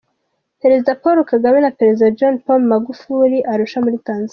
Perezida Paul Kagame na Perezida John Pombe Magufuli Arusha muri Tanzania